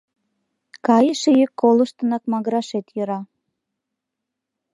Кайыше йӱк колыштынак магырашет йӧра.